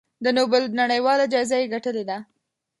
د نوبل نړیواله جایزه یې ګټلې ده.